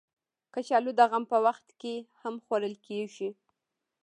کچالو د غم په وخت هم خوړل کېږي